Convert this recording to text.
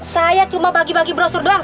saya cuma bagi bagi brosur doang